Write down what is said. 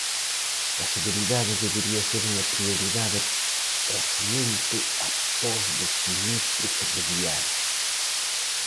A seguridade debería ser unha prioridade para Fomento após do sinistro ferroviario.